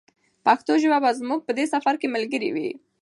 پښتو ژبه به زموږ په دې سفر کې ملګرې وي.